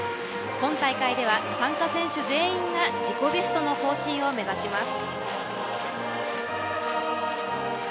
今大会では参加選手全員が自己ベストの更新を目指します。